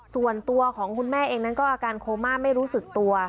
ส่วนตัวของคุณแม่เองนั้นก็อาการโคม่าไม่รู้สึกตัว